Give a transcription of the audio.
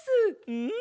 うん。